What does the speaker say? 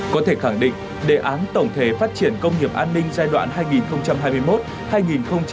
có thể khẳng định đề án tổng thể phát triển công nghiệp an ninh giai đoạn hai nghìn hai mươi một hai nghìn ba mươi